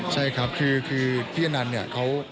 ใช่ครับคือพี่อนันต์เนี่ยเขา